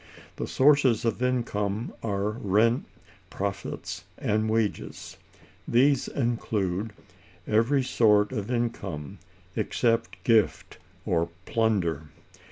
The sources of income are rent, profits, and wages. This includes every sort of income, except gift or plunder.